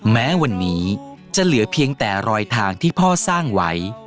แม้วันนี้จะเหลือเพียงแต่รอยทางที่พ่อสร้างไว้